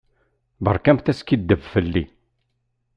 Beṛkamt askiddeb fell-i.